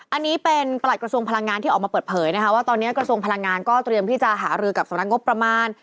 อันนี้เป็นประหลัดกระทรวงพลังงานที่ออกมาเปิดเผยนะคะว่าตอนนี้กระทรวงพลังงานก็เตรียมที่จะหารือกับสำนักงบประมาณ